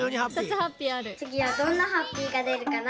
つぎはどんなハッピーがでるかな？